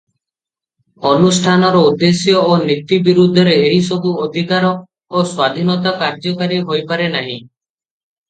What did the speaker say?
ଅନୁଷ୍ଠାନର ଉଦ୍ଦେଶ୍ୟ ଓ ନୀତି ବିରୁଦ୍ଧରେ ଏହିସବୁ ଅଧିକାର ଓ ସ୍ୱାଧୀନତା କାର୍ଯ୍ୟକାରୀ ହୋଇପାରେ ନାହିଁ ।